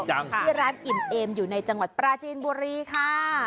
ที่ร้านอิ่มเอมอยู่ในจังหวัดปราจีนบุรีค่ะ